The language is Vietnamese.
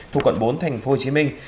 thuộc quận bốn thành phố hồ chí minh